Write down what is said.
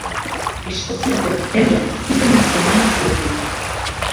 Eskoziako Perla ezizena eman zioten.